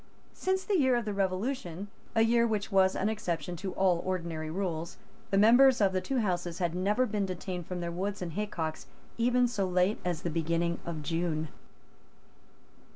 Since the year of the Revolution, a year which was an exception to all ordinary rules, the members of the two Houses had never been detained from their woods and haycocks even so late as the beginning of June.